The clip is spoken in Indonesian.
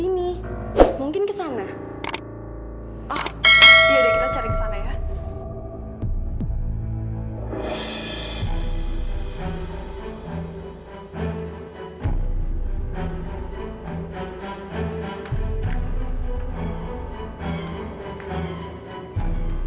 mungkin zahira ada di depan kamar pak prabu